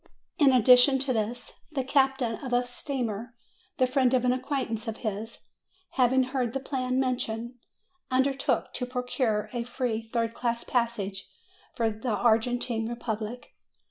In addition to this, the captain of a steamer, the friend of an acquaintance of his, having heard the plan mentioned, under took to procure a free third class passage for the Argentine Republic.